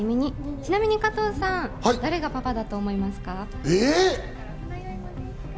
ちなみに加藤さん、誰がパパだと思いますか？